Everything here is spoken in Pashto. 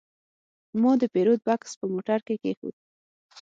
ما د پیرود بکس په موټر کې کېښود.